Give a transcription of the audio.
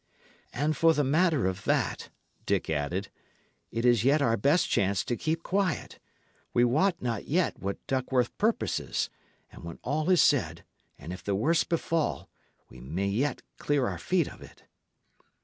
"And for the matter of that," Dick added, "it is yet our best chance to keep quiet. We wot not yet what Duckworth purposes; and when all is said, and if the worst befall, we may yet clear our feet of it."